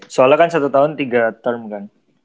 soalnya kan satu tahun tiga term kan